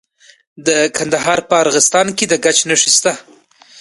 د کندهار په ارغستان کې د ګچ نښې شته.